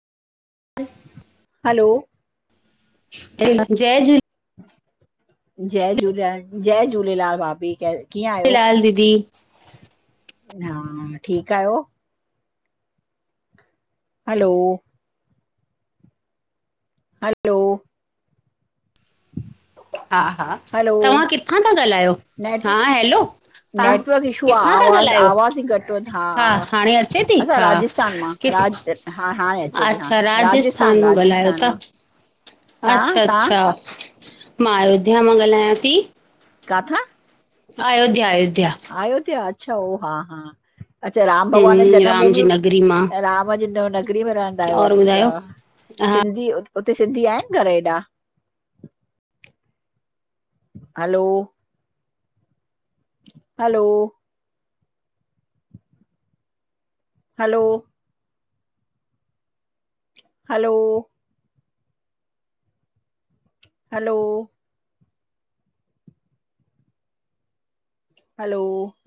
Hello जय झूलेलाल जय झूलेलाल जय झूलेलाल भाभी कीअं जय आहियो? झूलेलाल दीदी हा ठीकु आहियो? हैलो हैलो हा हा हलो तव्हां किथां था ॻाल्हायो नेट हा हैलो तव्हां नेटवर्क इशू आ, किथां था आवाज़ ॻाल्हायो? आवाज़ ई घटि वधि हा हाणे अचे थी असां राजस्थान मां, राज हा हाणे अचे थी हा अच्छा राजस्थान मां ॻाल्हायो राजस्थान था। मां, तव्हां अच्छा तव्हां अच्छा मां अयोध्या मां ॻाल्हायां थी। किथां अयोध्या अयोध्या अयोध्या अच्छा हा हा। अच्छा राम भॻवान हम्म जनम राम भूमि जी नगरी मां रहंदा आहियो और अच्छा ॿुधायो? हा सिंधी उते सिंधी आहिनि घर एॾा? Hello hello? Hello hello hello hello